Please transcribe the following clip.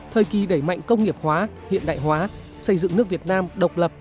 thời kỳ đẩy mạnh công nghiệp hóa hiện đại hóa xây dựng nước việt nam độc lập